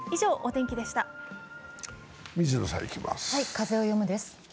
「風をよむ」です。